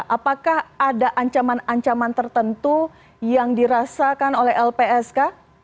apakah ada ancaman ancaman tertentu yang dirasakan oleh lpsk